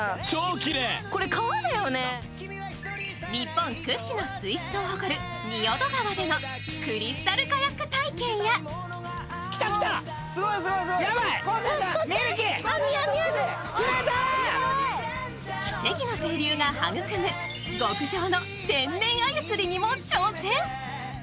日本屈指の水質を誇る仁淀川でのクリスタルカヤック体験や奇跡の清流が育む天然の鮎釣りにも挑戦。